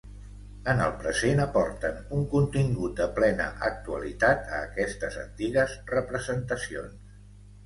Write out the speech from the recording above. En el present aporten un contingut de plena actualitat a aquestes antigues representacions.